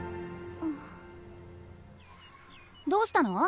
どうしたの？